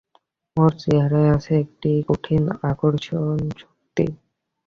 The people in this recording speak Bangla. ওর চেহারায় আছে একটা কঠিন আকর্ষণশক্তি।